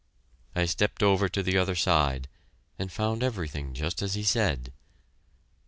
I stepped over to the other side, and found everything just as he said.